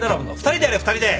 ２人でやれ２人で。